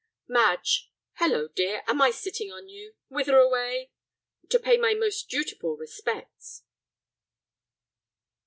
"Madge." "Hallo, dear, am I sitting on you? Whither away?" "To pay my most dutiful respects!"